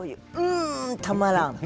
んたまらん！